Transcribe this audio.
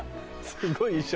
すごい衣装。